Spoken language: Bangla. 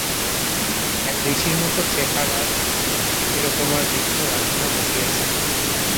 এক ঋষির মতো চেহারার চিরকুমার বৃদ্ধ রান্না বসিয়েছেন।